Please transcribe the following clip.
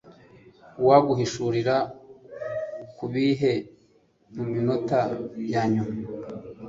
Uwaguhishurira kubihe Muminota yanyuma